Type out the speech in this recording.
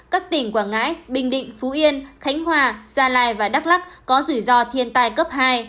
các tỉnh quảng ngãi bình định phú yên khánh hòa gia lai và đắk lắc có rủi ro thiên tai cấp hai